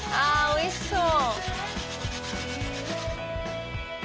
おいしそう。